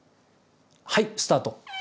はいスタート！